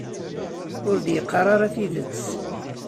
Ur d-yeqqar ara tidet.